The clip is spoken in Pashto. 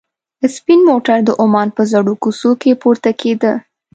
سپین موټر د عمان په زړو کوڅو کې پورته کېده.